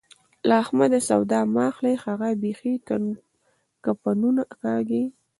له احمده سودا مه اخلئ؛ هغه بېخي کفنونه کاږي.